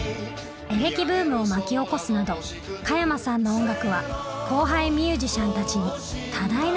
エレキブームを巻き起こすなど加山さんの音楽は後輩ミュージシャンたちに多大な影響を与えました。